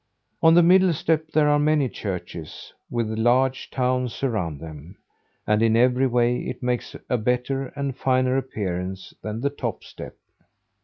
On the middle step, there are many churches, with large towns around them; and in every way it makes a better and finer appearance than the top step.